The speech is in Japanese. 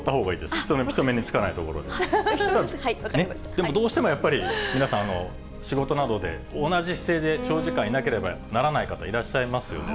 でもどうしてもやっぱり、皆さん、仕事などで同じ姿勢で長時間いなければならない方、いらっしゃいますよね。